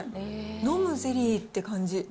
飲むゼリーって感じ。